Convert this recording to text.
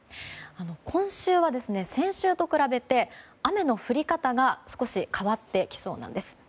今週は先週と比べて雨の降り方が少し変わってきそうなんです。